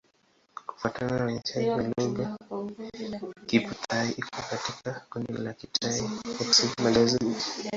Kufuatana na uainishaji wa lugha, Kiphu-Thai iko katika kundi la Kitai ya Kusini-Magharibi.